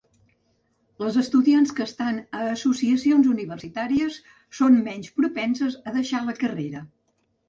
Les estudiants que estan a associacions universitàries són menys propenses a deixar la carrera